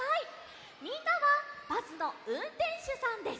みんなはバスのうんてんしゅさんです。